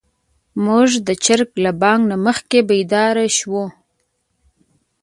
موږ د چرګ له بانګ نه مخکې بيدار شوو.